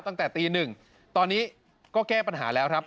ตั้งแต่ตีหนึ่งตอนนี้ก็แก้ปัญหาแล้วครับ